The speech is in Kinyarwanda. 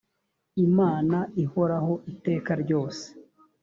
imana ihoraho iteka ryose.